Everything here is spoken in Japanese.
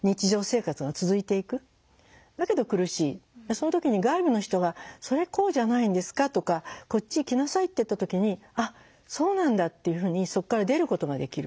その時に外部の人が「それこうじゃないんですか」とか「こっちへ来なさい」って言った時に「あっそうなんだ」っていうふうにそこから出ることができる。